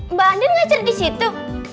mbak andien ngajar disitu